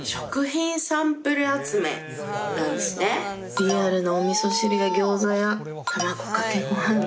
リアルなお味噌汁や餃子や卵かけご飯。